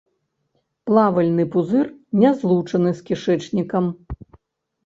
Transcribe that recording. Плавальны пузыр не злучаны з кішэчнікам.